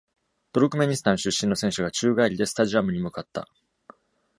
トルクメニスタン出身の選手が宙返りでスタジアムに向かった。